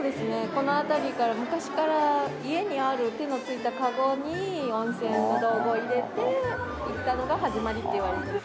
この辺りは昔から家にある手の付いたかごに温泉の道具を入れて行ったのが始まりっていわれてます。